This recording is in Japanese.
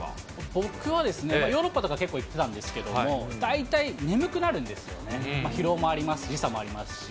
僕はヨーロッパとか結構行ってたんですけども、大体眠くなるんですよね、疲労もありますし、時差もありますし。